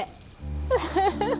フフフフ。